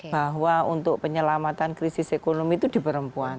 bahwa untuk penyelamatan krisis ekonomi itu di perempuan